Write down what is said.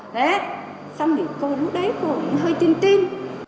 đấy xong thì cô rút đấy cô hơi tin tin